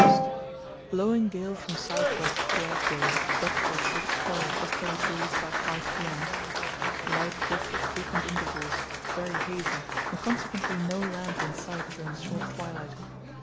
—Blowing gale from south west throughout day, but for short spell of westerly breeze about 5 p.m. Light drift at frequent intervals, very hazy, and consequently no land in sight during short twilight.